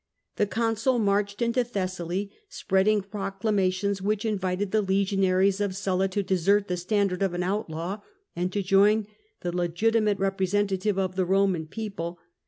The consul marched into Thessaly, spreading proclamations which invited the legionaries of Sulla to desert the standard of an outlaw and to join the legitimate representative of the Eoman people.